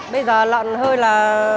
bây giờ lợn hơi là bốn mươi tám